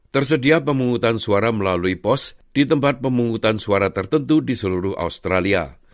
tersedia pemungutan suara melalui pos di tempat pemungutan suara tertentu di seluruh australia